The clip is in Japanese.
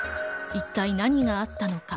一体何があったのか？